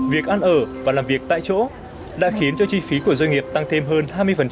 việc ăn ở và làm việc tại chỗ đã khiến cho chi phí của doanh nghiệp tăng thêm hơn hai mươi